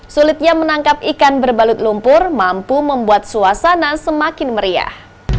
sulitnya menangkap ikan berbalut lumpur mampu membuat suasana semakin meriah